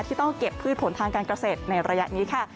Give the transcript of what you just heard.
ต้องเก็บพืชผลทางการเกษตรในระยะนี้ค่ะ